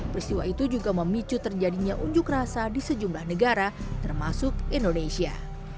peristiwa itu juga memicu terjadinya unjuk rasa di sejumlah negara termasuk indonesia